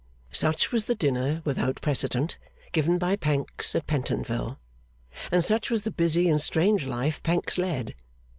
Such was the dinner without precedent, given by Pancks at Pentonville; and such was the busy and strange life Pancks led.